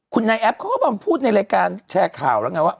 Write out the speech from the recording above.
คุณนายแอปเขาก็มาพูดในรายการแชร์ข่าวแล้วไงว่า